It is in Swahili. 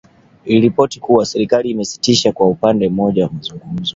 Iliripoti kuwa serikali imesitisha kwa upande mmoja mazungumzo